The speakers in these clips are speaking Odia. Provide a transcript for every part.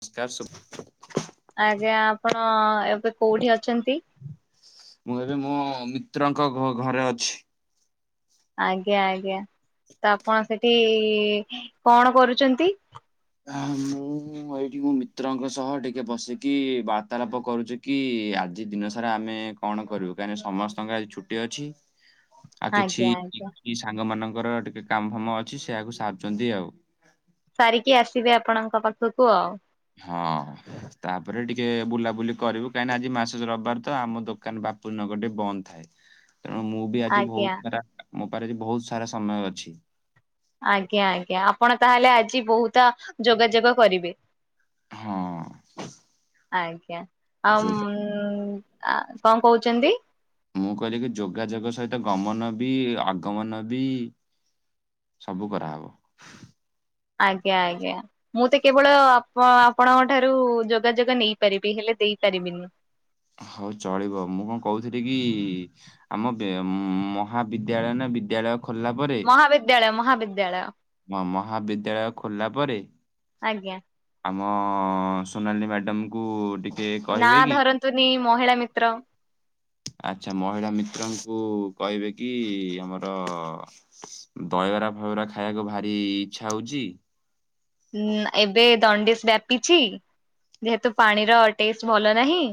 ନମସ୍କାର ଶୁ ଆଜ୍ଞା ଆପଣ ଏବେ କୋଉଠି ଅଛନ୍ତି? ମୁଁ ଏବେ ମୋ ମିତ୍ରଙ୍କ ଘ- ଘରେ ଅଛି। ଆଜ୍ଞା ଆଜ୍ଞା ତ ଆପଣ ସେଠି କଣ କରୁଚନ୍ତି? ହେ ମୁଁ ଏଇଠି ମୋ ମିତ୍ରଙ୍କ ସହ ଟିକେ ବସିକି ବାର୍ତ୍ତାଳାପ କରୁଚି କି ଆ ଆଜି ଦିନ ସାରା ଆମେ କଣ କରିବୁ କାହିଁକି ନା ସମସ୍ତଙ୍କର ଆଜି ଛୁଟି ଅଛି। ଆଉ ଆଜ୍ଞା କିଛି ଆଜ୍ଞା କି-କି-ସାଙ୍ଗ ମାନଙ୍କର ଟିକେ କାମ ଫାମ ଅଛି ସେଇଆକୁ ସାରୁଚନ୍ତି ଆଉ। ସାରିକି ଆସିବେ ଆପଣଙ୍କ ପାଖକୁ ଆଉ। ହଁ ତାପରେ ଟିକେ ବୁଲାବୁଲି କରିବୁ କାହିଁକି ନା ଆଜି ମାସ ରବବାର ତ ଆମ ଦୋକାନ ବା ଆପୁ ନଗର ଟି ବନ୍ଦ ଥାଏ। ତେଣୁ ମୁଁ ବି ଆଜି ଆଜ୍ଞା ବହୁତ ସାରା ମୋ ପାରେ ଆଜି ବହୁତ ସାରା ସମୟ ଅଛି। ଆଜ୍ଞା, ଆଜ୍ଞା ଆପଣ ତାହେଲେ ଆଜି ବହୁତ ଯୋଗାଯୋଗ କରିବେ? ହଁ। ଆଜ୍ଞା ଆଉ ଯୋଉ ମୁ, ଉଁ, ଆ, କଣ କହୁଚନ୍ତି? ମୁଁ କହିଲି କି ଯୋଗାଯୋଗ ସହିତ ଗମନ ବି, ଆଗମନ ବି ସବୁ କରାହବ। ଆଜ୍ଞା, ଆଜ୍ଞା ମୁଁ ତ କେବଳ ଆପ ଆପଣଙ୍କ ଠାରୁ ଯୋଗାଯୋଗ ନେଇପାରିବି। ହେଲେ ଦେଇପାରିବିିନି। ହଉ ଚଳିବ ମୁଁ କଣ କହୁଥିଲି କି ଆମ ବେ- ମହାବିଦ୍ୟାଳୟ ନା ବିଦ୍ୟାଳୟ ମହାବିଦ୍ୟାଳୟ, ମହାବିଦ୍ୟାଳୟ। ମ-ମହାବିଦ୍ୟାଳୟ ଖୋଲିଲା ପରେ ଆଜ୍ଞା। ଆମ ସୋନାଲି ମ୍ୟାଡ଼ାମ୍ କୁ ଟି ନା ଧରନ୍ତୁନି ମହିଳା ମିତ୍ର। ଆଚ୍ଛା ମହିଳା ମିତ୍ରଙ୍କୁ କହିବେ କି ଆମର ଦ ଦହିବରା ଫହିବରା ଖାଇବାକୁ ଭାରି ଇଚ୍ଛା ହଉଚି। ଉଁ, ଏବେ ଦଣ୍ଡିସ୍ ବ୍ୟାପିଛି, ଯେହେତୁ ପାଣିର ଟେଷ୍ଟ ଭଲ ନାହିଁ।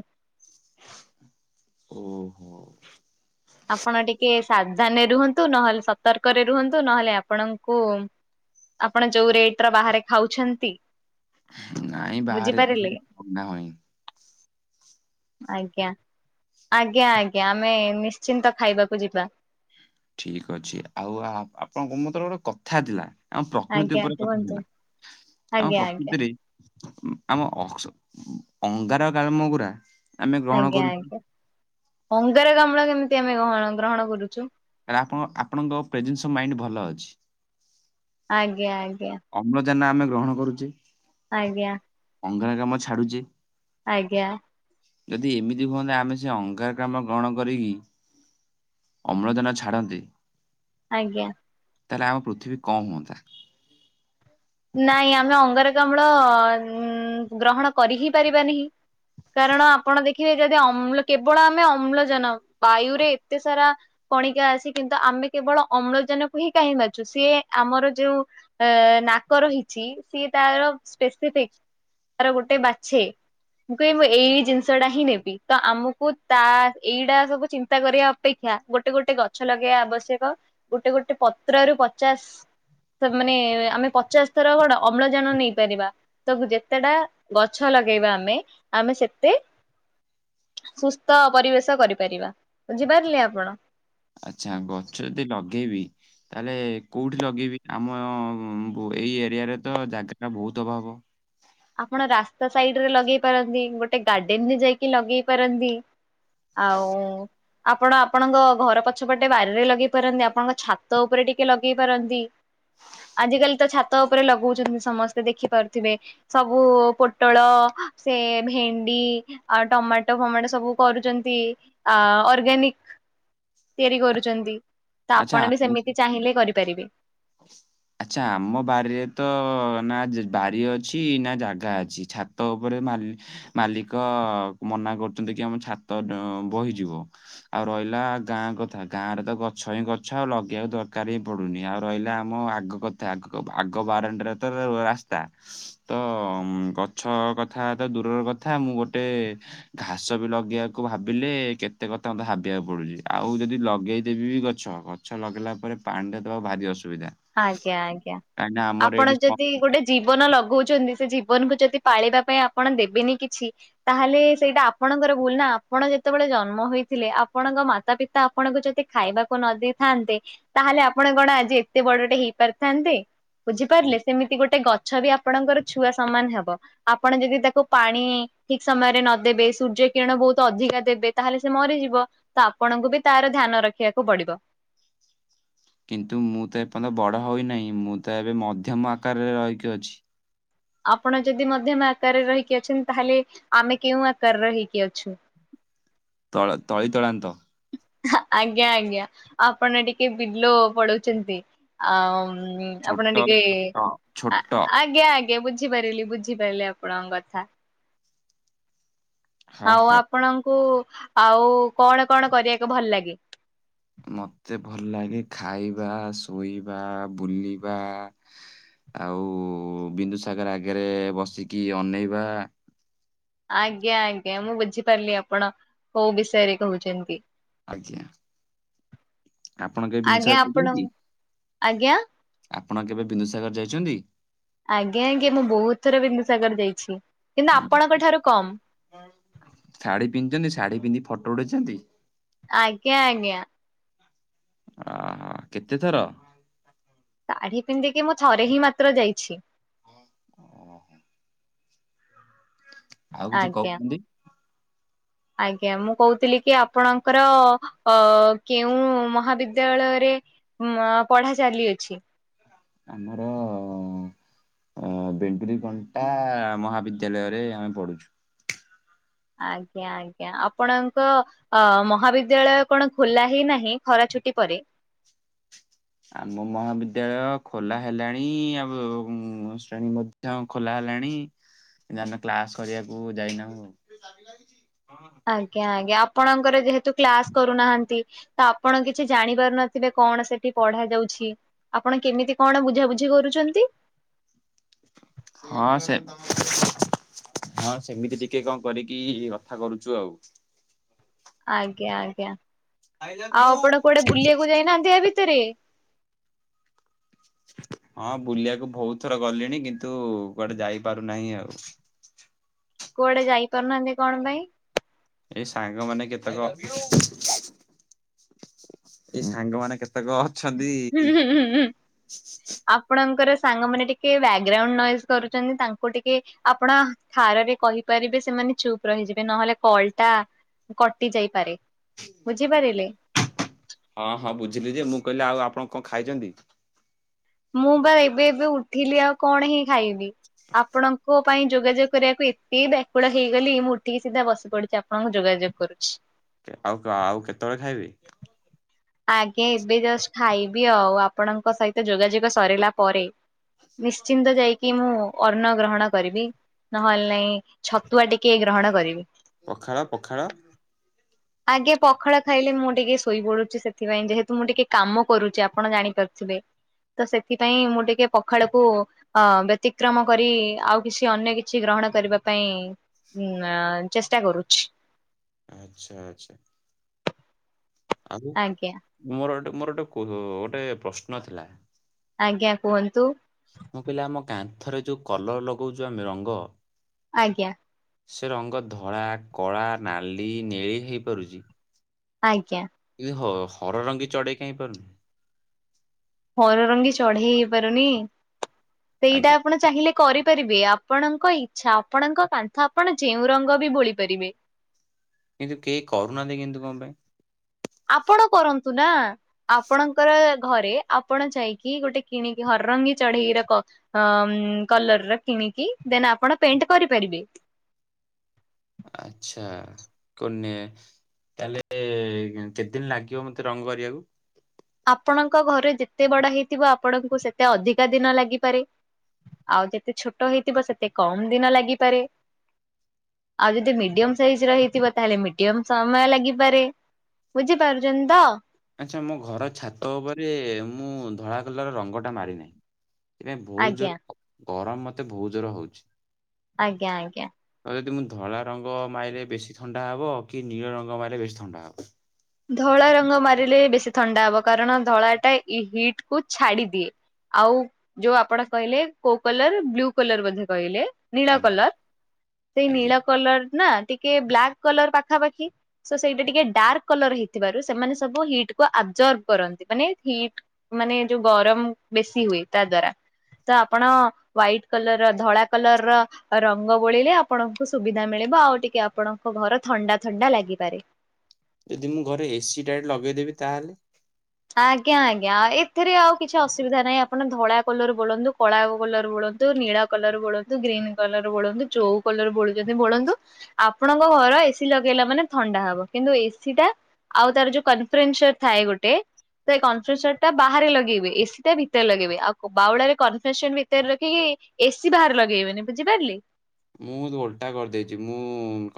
ଓହୋ! ଆପଣ ଟିକେ ସାବଧାନରେ ରୁହନ୍ତୁ। ନହେଲେ ସତର୍କରେ ରୁହନ୍ତୁ। ନହେଲେ ଆପଣଙ୍କୁ ଆପଣ ଯୋଉ ରେଟ୍ ର ବାହାରେ ଖାଉଛନ୍ତି ନାଇଁ ବାହାରେ ବୁଝିପାରିଲେ [unintelligible] ଆଜ୍ଞା, ଆଜ୍ଞା, ଆଜ୍ଞା, ଆମେ ନିଶ୍ ଚିନ୍ତ ଖାଇବାକୁ ଯିବା। ଠିକ ଅଛି ଆଉ ଆ, ଆପଣଙ୍କୁ ମୁଁ ତୋର ଗୋଟେ କଥା ଥିଲା। ଆମ ପ୍ରକୃତି ଆଜ୍ଞା ଉପରେ କଥା କୁହନ୍ତୁ ଥିଲା। ଆମ ଆଜ୍ଞା ଆଜ୍ଞା ଆଜ୍ଞା ପ୍ରକୃତିରେ ଆମ ଅଙ୍ଗାରକାମ୍ଳ [inaudible] ଆଜ୍ଞା କରୁଛୁ ଆଜ୍ଞା ଅଙ୍ଗାରକାମ୍ଳ କେମିତି ଆମେ ଗଣ ଗ୍ରହଣ କରୁଛୁ ଲେ ଆପ ଆପଣଙ୍କ ପ୍ରେଜେନ୍ସ ଅଫ ମାଇଣ୍ଡ ଭଲ ଅଛି। ଆଜ୍ଞା ଆଜ୍ଞା ଅମ୍ଳଜାନ ଆମେ ଗ୍ରହଣ କରୁଛେ ଆଜ୍ଞା ଅଙ୍ଗାରକାମ୍ଳ ଛାଡୁଛେ ଆଜ୍ଞା ଯଦି ଏମିତି ହୁଅନ୍ତତା ଆମେ ସେ ଅଙ୍ଗାରକାମ୍ଳ ଗ୍ରହଣ କରିକି ଅମ୍ଳଜାନ ଛାଡନ୍ତେ ଆଜ୍ଞା ତାହେଲେ ଆମ ପୃଥିବୀ କଣ ହୁଅନ୍ତା। ନାଇଁ ଆମେ ଅଙ୍ଗାରକାମ୍ଳ ଗ୍ରହଣ କରି ହିଁ ପାରିବାନହିଁ କାରଣ ଆପଣ ଦେଖି ଦେଖିବେ ଯଦି ଅମ୍ କେବଳ ଆମେ ଅମ୍ଳଜାନ ବାୟୁ ରେ ଏତେ ସାରା କଣିକା ଅଛି କିନ୍ତୁ ଆମେ ଆମେ କେବଳ ଅମ୍ଳଜାନକୁ ହିଁ କାହିଁ ବାଛୁ ସିଏ ଆମର ଯୋଉ ନାକ ରହିଛି ସିଏ ତାର ସ୍ପେସିଫିକ ତାର ଗୋଟେ ବାଛେ ମୁଁ କଇବି ଏଇ ଏଇ ଜିନିଷ ଟା ହିଁ ନେବି, ତ ଆମକୁ ତା ଏଇଟା ସବୁ ଚିନ୍ତା କରିବା ଅପେକ୍ଷା ଗୋଟେ ଗୋଟେ ଗଛ ଲଗେଇବା ଆବଶ୍ୟକ ଗୋଟେ ଗୋଟେ ପତ୍ର ରୁ ପଚାଶ ମାନେ ଆମେ ପଚାଶ ଥର କଣ ଅମ୍ଳଜାନ ନେଇପାରିବା ତ ଯେତେଟା ଗଛ ଲଗେଇବା ଆମେ, ଆମେ ସେତେ ସୁସ୍ଥ ପରିବେଶ କରିପାରିବା, ବୁଝିପାରିଲେ ଆପଣ ଆଚ୍ଛା ଗଛ ଯଦି ଲଗେଇବି ତାହେଲେ କୋଉଠି ଲଗେଇବି ଆମ ଏଇ ଏରିଆରେ ତ ଜାଗା ବହୁତ ଅଭାବ ଆପଣ ରାସ୍ତା ସାଇଡରେ ଲଗେଇ ପାରନ୍ତି ଗୋଟେ ଗାର୍ଡେନ ରେ ଯାଇକି ଲଗେଇ ପାରନ୍ତି ଆଉ ଆପଣ ଆପଣଙ୍କ ଘର ପଛପଟେ ବାରିରେ ଲଗେଇ ପାରନ୍ତି ଆପଣଙ୍କ ଛାତ ଉପରେ ଟିକେ ଲଗେଇ ପାରନ୍ତି ଆଜିକାଲି ତ ଛାତ ଉପରେ ଲଗଉଛନ୍ତି ସମସ୍ତେ ଦେଖିପାରୁଥିବେ ସବୁ ପୋଟଳ ସେ ଭେଣ୍ଡି ଆଉ ଟମାଟୋ ଫମାଟୋ ସବୁ କରୁଛନ୍ତି ଅର୍ଗାନିକ ତିଆରି କରୁଛନ୍ତି। ତ ଆପଣ ବି ସେମିତି ଚାହିଁଲେ କରିପାରିବେ। ହ। [inaudible] ଆଚ୍ଛା ଆମ ବାରିରେ ତ ନା ବାରି ଅଛି ନା ଜାଗା ଅଛି ଛାତ ଉପରେ ମାଲିକ ମନା କରୁଛନ୍ତି କି ଆମ ଛାତ ବହିଯିବ ଆଉ ରହ ହେଲା ଗାଁ କଥା ଗାଁ ରେ ତ ଗଛ ହିଁ ଗଛ ଆଉ ଲଗେଇବାକୁ ଦରକାର ହିଁ ପଡୁନି ଆଉ ରହିଲା ଆମ ଆଗ କଥାଗ ଆଗ ବାରଣ୍ଡାରେ ତ ରାସ୍ତା ତ ଗଛ କଥା ତ ଦୂରର କଥା ମୁଁ ଗୋଟେ ଘାସ ବି ଲଗେଇବାକୁ ଭାବିଲେ କେତେ ଏତେ କଥା ମୋତେ ହାବିବାକୁ ପଡୁଛି ଆଉ ଯଦି ଲଗେଇଦେବି ବି ଗଛ ଗଛ ଲଗେଇଲା ପରେ ପାଣିଟା ଦେବା ଭାରି ଅସୁବିଧା ଆଜ୍ଞା ଆଜ୍ଞା କାହିଁକି ନା ଆମର ଆପଣ ଏଇଠି ସମ ଯଦି ଗୋଟେ ଜୀବନ ଲଗାଉଛନ୍ତି ସେ ଜୀବନକୁ ଯଦି ପାଳବା ପାଇଁ ଆପଣ ଦେବେନି କିଛି ତାହେଲେ ସେଇଟା ଆପଣଙ୍କର ଭୁଲ ନା। ଆପଣ ଯେତେବେଳେ ଜନ୍ମ ହୋଇଥିଲେ ଆପଣଙ୍କ ମାତା ପିତା ଆପଣଙ୍କୁ ଯଦି ଖାଇବାକୁ ନ ଦେଇେଇଥାନ୍ତେ ତା ତାହେଲେ ଆପଣ କଣ ଆଜି ଏତେ ବଡଟେ ହେଇପାରିଥାନ୍ତେ, କି- ବୁଝିପାରିଲେ ସେମିତି ଗୋଟେ ଗ ଗଛ ବି ଆପଣଙ୍କର ଛୁଆ ସମାନ ହବ ଆପଣ ଯଦି ତାକୁ ପାଣି ଠିକ ସମୟରେ ନଦବେ ସୂର୍ଯ୍ୟ କିଣ ବହୁତ ଅଧିକା ଦେବେ ତାହେଲେ ସେ ମରିଯିବ ତ ଆପଣଙ୍କୁ ବି ତାର ଧ୍ୟାନ ରଖିବାକୁ ପଡିବ। [unintelligible] କିନ୍ତୁ ମୁଁ ତ ଏପର୍ଯ୍ୟନ୍ତ ବଡ ହଉନାହିଁ ମୁଁ ତ ଏବେ ମଧ୍ୟମ ଆକାରରେ ରହିକି ଅଛି। ଆପଣ ଯଦି ମଧ୍ୟମା ଆକାରରେ ରହିକି ଅଛନ୍ତି, ତାହେଲେ ଆମେ କେଉଁ ଆକାରରେ ହେଇକି ଅଛୁ? ତଳ ତଳିତଳାନ୍ତ ଆଜ୍ଞା ଆଜ୍ଞା ଆପଣ ଟିକେ ବିଲୋ ପଡଉଛନ୍ତି ଆ ହୁଁ ଛୋଟ ଆପଣ ଟିକେ ଛୋଟ ଛୋଟ ଆଜ୍ଞା ଆଜ୍ଞା ଆଜ ବୁଝିପାରିଲି ବୁଝିପାରିଲି ଆପଣଙ୍କ କଥା। ହଁ ଆଉ ହଁ। ଆପଣଙ୍କୁ ଆଉ କଣ କଣ କରିବାକୁ ଭଲ ଲାଗେ? ମତେ ଭଲ ଲାଗେ ଖାଇବା, ଶୋଇବା, ବୁଲିବା। ଆଉ ବିନ୍ଦୁ ସାଗର ଆଗରେ ବସିକି ଅନେଇବା। ଆଜ୍ଞା ଆଜ୍ଞା ମୁଁ ବୁଝିପାରିଲି ଆପଣ କୋଉ ବିଷୟରେ କହୁଛନ୍ତି। ଆଜ୍ଞା। ଆପଣ କେ ଜିନଷ ଆଜ୍ଞା ଆପଣ ଆଛନ୍ତି। ଆଜ୍ଞା ଆପଣ କେବେ ବିନ୍ଦୁସାଗର ଯାଇଛନ୍ତି? ଆଜ୍ଞା ଆଜ୍ଞା ମୁଁ ବହୁତ ଥର ବିନ୍ଦୁସାଗର ଯାଇଛି। କିନ୍ତୁ ଉଁ, ଆପଣଙ୍କ ଠାରୁ କମ୍। ଶାଢୀ ପିନ୍ଧିଛନ୍ତି ଶାଢୀ ପିନ୍ଧି ଫଟୋ ଉଠେଇଛନ୍ତି? ଆଜ୍ଞ ଆଜ୍ଞା। ଅହୋ କେତେଥର? ଶାଢୀ ପିନ୍ଧିକି ମୁଁ ଥରେ ହିଁ ମାତ୍ର ଯାଇଛି। ଓହୋ। ଆଉ କିଛି ଆଜ୍ଞା। କହୁଛନ୍ତି? ଆଜ୍ଞା ମୁଁ କହୁଥିଲି କି ଆପଣଙ୍କର ଅ କେଉଁ ମହାବିଦ୍ୟାଳୟରେ ଉଁ ପଢା ଚାଲିଅଛି? ଆମର ଅ ଅ ବେଣ୍ଡୁରି କଣ୍ଟା ମହାବିଦ୍ୟାଳୟରେ ଆମେ ପଢୁଛୁ। ଆଜ୍ଞା ଆଜ୍ଞା ଆପଣଙ୍କ ତ ମହାବିଦ୍ୟାଳୟ କଣ ଖୋଲା ହି ନାହିଁ ଖରା ଛୁଟି ପରେ? ଆମ ମହାବିଦ୍ୟାଳୟ ଖୋଲା ହେଲାଣି ଆଉ ଶ୍ରେଣୀ ମଧ୍ୟ ଖୋଲା ଲାଣି କ୍ଲାସ କରିବାକୁ ଯାଇନାହୁଁ। ଆଜ୍ଞା ଆଜ୍ଞା ଆପଣଙ୍କର ଯେହେତୁ କ୍ଲାସ କରୁନାହାନ୍ତି। ତ ଆପଣ କିଛି ଜାଣି ପାରୁନଥିବେ କଣ ସେଠି ପଢା ଯାଉଛି। ଆପଣ କେମିତି କଣ ବୁଝାବୁଝି କରୁଛନ୍ତି? ହଁ ସେ। [inaudible] ହଁ ସେମିତି ଟିକେ କଣ କରିକି କଥା କରୁଛୁ ଆଉ। ଆଜ୍ଞା ଆଜ୍ଞା ଆଉ ଆପଣ କୁଆଡେ ବୁଲିବାକୁ ଯାଇନାହାନ୍ତି ୟା ଭି ତରେ? ହଁ ବୁଲିବାକୁ ବହୁତ ଥର ଗଲିଣି କିନ୍ତୁ କୁଆଡେ ଯାଇପାରୁନାହିଁ ଆଉ। କୁଆଡେ ଯାଇପାରୁନାହାନ୍ତି କଣ ପାଇଁ? ଏଇ ସାଙ୍ଗମାନେ କେତେକ ଏଇ ସାଙ୍ଗମାନେ କେତେକ ଅଛନ୍ତି। ହୁଁ ହୁଁ ହୁଁ ସାଙ୍ଗ ମାନ ଟିକେ ବ୍ୟାଗ୍ରାଉଣ୍ଡ ନୋଇଯ କରୁଛନ୍ତି ତାଙ୍କୁ ଟିକେ ଆପଣ ଠାରରେ କହିପାରିବେ ସେମାନେ ମାନେ ଚୁପ୍ ରହିଯିବେ ନହେଲେ କଲଟା କଟି ଯାଇପାରେ। ବୁଝି ପାରିଲେ? ହଁ ହଁ ବୁଝିଲି ଯେ ମୁଁ କହିଲି ଆଉ ଆପଣ କଣ ଖାଇଛନ୍ତି? ମୁଁ ବା ଏବେ ଏବେ ଉଠିଲି ଆଉ କଣ ହିଁ ଖାଇବି? ଆପଣଙ୍କ ପାଇଁ ଯୋଗାଯୋଗ କରିବାକୁ ଏତେ ବ୍ୟାକୁଳ ହେଇଗଲି ମୁଁ ଉଠିକି ସିଧା ବସି ପଡିଛି ଆପଣଙ୍କ ଯୋଗା ଯୋଗ କରୁଛି। ଆଉ ଆଉ କେତେବେଳେ ଖାଇବେ? ଆଜ୍ଞା ଏବେ ଜଷ୍ଟ ଖାଇବି ଆଉ ଆପଣଙ୍କ ସହିତ ଯୋଗାଯୋଗ ସରିଲା ପରେ। ନିଶ୍ଚିନ୍ତ ଯାଇକି ମୁଁ ଅନ୍ନ ଗ୍ରହଣ କରିବି ନହେଲେ ନାଇଁ ଛତୁଆ ଟିକେ ଗ୍ରହଣ କରିବି। ପଖାଳ, ପଖାଳ? ଆଜ୍ଞା ପଖାଳ ଖାଇଲେ ମୁଁ ଟିକେ ଶୋଇ ପଡୁଛି ସେ ସେଥିପାଇଁ ଯେହେତୁ ମୁଁ ଟିକେ କାମ କରୁଛି ଆପଣ ଜାଣିପାରୁଥିବେ। ତ ସେଥିପାଇଁ ମୁଁ ଟିକେ ପଖାଳକୁ ଅ ବ୍ୟତିକ୍ରମ କରି ଆଉ କିଛି ଅନ୍ୟ କିଛି ଗ୍ରହ ଗ୍ରହଣ କରିବା ପାଇଁ ଉ ଚେଷ୍ଟା କରୁଛି। ଆଛା ଆଛା। ଆଉ ଆଜ୍ଞା ମୋର ମୋର ଗୋଟେ ଗୋଟେ ପ୍ରଶ୍ନ ଥିଲା? ଆଜ୍ଞା କୁହନ୍ତୁ। ମୁଁ କହିଲି ଆମ କାନ୍ଥରେ ଯୋଉ କଲର ଲଗଉଚୁ ଆମେ ରଙ୍ଗ। ଆଜ୍ଞା। ସେ ରଙ୍ଗ ଧଳା କଳା ନାଲି ନେଳି ହେଇପାରୁଛି। ଆଜ୍ଞା। କିନ୍ତୁ ହ ହର ରଙ୍ଗୀ ଚଢେଇ କାହିଁ ପାରୁନି? ହର ରଙ୍ଗୀ ଚଢେଇ ହେଇପାରୁନି ସେଇଟା ଆଗେ ଆପଣ ଚାହିଁଲେ କରିପାରିବେ ଆପଣଙ୍କ ଇଚ୍ଛା ଆପଣଙ୍କ କାନ୍ଥ ଆପଣ ଯେଉଁ ରଙ୍ଗ ବି ବୋଳି ପାରିବେ। [inaudible] କିନ୍ତୁ କେଇ କରୁନାହାନ୍ତି କିନ୍ତୁ କଣ ପାଇଁ? ଆପଣ କରନ୍ତୁ ନା ଆପଣଙ୍କର ଘରେ ଆପଣ ଯାଇକି ଗୋଟେ କିଣିକି ହରରଙ୍ଗୀ ଚଢେଇ ର କ ଅ କଲର ର କିଣିକି ଦେନ୍ ଆପଣ ପେଣ୍ଟ କରିପାରିବେ। ଆଛା କନେ ତାହେଲେ କେତେଦିନ ଲାଗିବ ମତେ ରଙ୍ଗ କରିବାକୁ? ଆପଣଙ୍କ ଘରେ ଯେତେ ବଡ ହେଇଥିବ ଆପଣଙ୍କୁ ସେତେ ଅଧିକା ଦିନ ଲାଗିପାରେ। ଆଉ ଯେତେ ଛୋଟ ହେଇଥିବ ସେତେ କମ ଦିନ ଲାଗିପାରେ। ଆଉ ଯଦି ମିଡିୟମ ସାଇଜ ର ହେଇଥିବ ତାହେଲେ ମିଡିୟମ ସମୟ ଲାଗିପାରେ। ବୁଝିପାରୁଛନ୍ତି ତ? ଆଚ୍ଛା ମୋ ଘର ଛାତ ଉପରେ ମୁଁ ଧଳା କଲର ରଙ୍ଗଟା ମାରିନାହିଁ। ସେଥିପାଇଁ ବହୁତ ଆଜ୍ଞା ଜୋର ଗରମ ମତେ ବହୁତ ଜୋର ହଉଛି। ଆଜ୍ଞା ଆଜ୍ଞା। ଆଉ ଯଦି ମୁ ଧଳା ରଙ୍ଗ ମାରିଲେ ବେଶୀ ଥଣ୍ଡା ହବ କି ନୀଳ ରଙ୍ଗ ମାରିଲେ ବେଶୀ ଥଣ୍ଡା ହବ? ଧଳା ରଙ୍ଗ ମାରିଲେ ବେଶୀ ଥଣ୍ଡା ହବ କାରଣ ଧଳା ଟା ଇ ହିଟ୍ କୁ ଛାଡି ଦିଏ। ଆଉ ଯୋଉ ଆପଣ କହିଲେ କୋଉ କଲର ବ୍ଲୁ କଲର ବୋଧେ କହିଲେ। ନୀଳ ଆଜ୍ଞା କଲର ସେଇ ଆଜ୍ଞା ନୀଳ କଲର ନା ଟିକେ ବ୍ଲାକ୍ କଲର ପାଖାପାଖି ସୋ ସେଇଟା ଟିକେ ଡାର୍କ କଲର ହେଇଥିବାରୁ ସେମାନେ ସବୁ ହିଟ୍ କୁ ଆବଜର୍ବ କରନ୍ତି ମାନେ ହିଟ୍ ମାନେ ଯୋଉ ଗରମ ବେଶୀ ହୁଏ ତା ଦ୍ଵାରା। ତ ଆପଣ ହ୍ଵାଇଟ କଲରର ଧଳା କଲର ର ରଙ୍ଗ ବୋଳିଲେ ଆପଣଙ୍କୁ ସୁବିଧା ମିଳେ ଆଉ ଟିକେ ଆପଣଙ୍କ ଘର ଥଣ୍ଡା ଥଣ୍ଡା ଲାଗିପାରେ। ଯଦି ମୁଁ ଘରେ ଏସି ଟା ଏଟି ଲଗେଇଦେବି ତାହେଲେ ଆଜ୍ଞା ଆଜ୍ଞା ଏଥିରେ ଆଉ କିଛି ଅସୁବିଧା ନାହିଁ ଆପଣ ଧଳା କଲର ବୋଳନ୍ତୁ କଳା କଲର ବୋଳ କଲର ବୋଳନ୍ତୁ ଗ୍ରୀନ କଲର ବୋଳନ୍ତୁ ଯୋଉ କଲର ବୋଳୁଚନ୍ତି ବୋଳନ୍ତୁ ଆପଣଙ୍କ ଘ ଏସି ଲଗେଇଲା ମାନେ ଥଣ୍ଡା ହବ କିନ୍ତୁ ଏସି ଟା ଆଉ ତାର ଯୋଉ କନଫ୍ରେନ୍ସର ଥାଏ ଗୋଟେ ତ କନଫେସନ୍ ଟା ବାହାରେ ଲଗେଇବେି ଏସି ଟା ଭିତରେ ଲଗେଇବେି ଆଉ ବାଉଲାରେ କନଫେସନ୍ ଭିତରେ ରଖିକି ଏସି ବାହାରେ ଲଗେଇବେନି ବୁଝିପାରିଲେ। ମୁଁ ଓଲଟା କରିଦେଇଛି ମୁଁ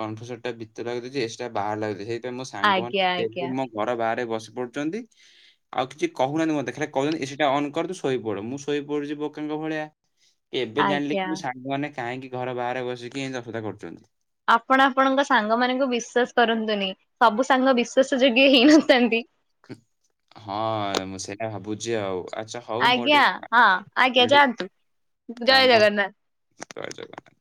କନଫେସନଟ ଟା ଭିତରେ ଲଗେଇଦେଇଚି ଏସି ଟା ବାହାର ଲଗେଇଦେଇଚି ଏ ତ ମୋ ଆଜ୍ଞା ସାଙ୍ଗମାନେ ଆଜ୍ଞା ମୋ ଘର ବାହାରେ ବସି କରୁଛନ୍ତି ଆଉ କିଛି କହୁନାହାନ୍ତି ମତେ ଖାଲି କହୁଚନ୍ତି ଏସି ଟା ଅନ କର ତୁ ଶୋଇ ପଡ ମୁଁ ଶୋଇ ପଡୁଚି ବୋକା ଙ୍ଗ ଭଳିଆ ଏବେ ଜାଣିଲେ ଆଜ୍ଞା କି ମୋ ସାଙ୍ଗମାନେ କାହିଁକି ଘର ବାହାରେ ବସିକି ଏଇ ଦଶରା କରୁଛନ୍ତି। ଆପଣ ଆପଣଙ୍କ ସାଙ୍ଗ ମାନଙ୍କୁ ବିଶ୍ୱାସ କରନ୍ତୁନି ସବୁ ସାଙ୍ଗ ବିଶ୍ଵାସ ଯୋଗ୍ୟ ହେଇନଥାନ୍ତି। ହଁ ମୁଁ ସେଇଟା ଭାବୁଛି ଆଉ ଆଚ୍ଛା ହଉ ମୋର ଆଜ୍ଞା ଟିକେ ହଁ ଆଜ୍ଞା ମୋର ଟିକେ ଯାଆନ୍ତୁ। ଜୟ କାମ ଜଗନ୍ନାଥ। ଜୟଜଗନ୍ନାଥ।